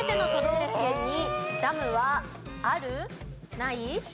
ない？